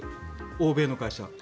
欧米の会社は。